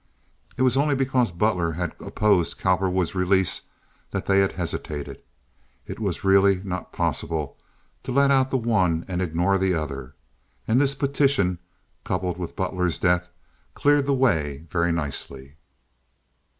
It was only because Butler had opposed Cowperwood's release that they had hesitated. It was really not possible to let out the one and ignore the other; and this petition, coupled with Butler's death, cleared the way very nicely.